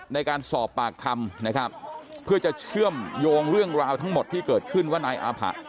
ในการสอบปากคำนะครับเพื่อจะเชื่อมโยงเรื่องราวทั้งหมดที่เกิดขึ้นว่านายอาผะ